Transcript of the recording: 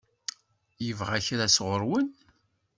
Yebɣa kra sɣur-wen?